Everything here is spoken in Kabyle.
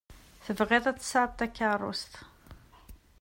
Tebɣiḍ ad tesɛuḍ takeṛṛust.